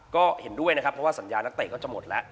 ก็เห็นด้วยนะครับเพราะว่าสัญญานักเตะก็จะหมดแล้ว